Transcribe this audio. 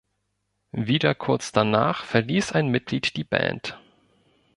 Wieder kurz danach verließ ein Mitglied die Band.